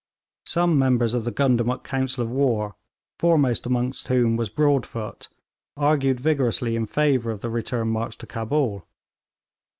Some members of the Gundamuk council of war, foremost among whom was Broadfoot, argued vigorously in favour of the return march to Cabul.